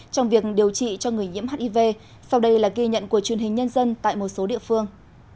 trong việc điều trị cho người nhiễm hiv sau đây là ghi nhận của truyền hình nhân dân tại một số địa phương